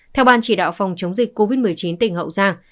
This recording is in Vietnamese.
theo ban chỉ đạo phòng chống dịch covid một mươi chín tỉnh hậu giang